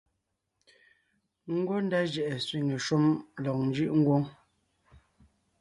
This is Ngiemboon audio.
Ngwɔ́ ndá jʉʼɛ sẅiŋe shúm lɔg njʉʼ ngwóŋ;